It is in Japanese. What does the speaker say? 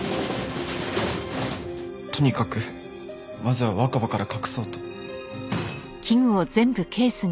とにかくまずは若葉から隠そうと。